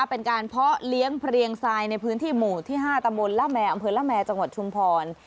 เป็นการเพาะเลี้ยงเพลียงทรายในพื้นที่หมู่ที่๕ตำบลละแมร์อำเภอละแมจังหวัดชุมพร